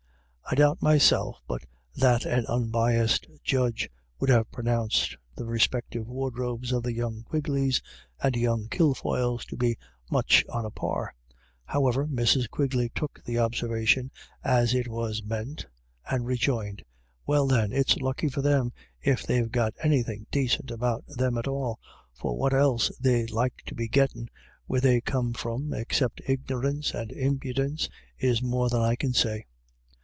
I doubt myself but that an unbiassed judge would have pronounced the respective wardrobes of the young Quigleys and young Kilfoyles to be ' !\A 5ft ioo IRISH IDYLLS. iftuch on a par ; however, Mrs. Quigley took the observation as it was meant, and rejoined :" Well, then, it's lucky for them if they've got anythin' dacint about them at all ; for what else they're like to be gettin* where they come from excipt ignorince and impidence is more than I can say."